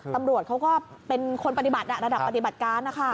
ตำรวจเขาก็เป็นคนปฏิบัติระดับปฏิบัติการนะคะ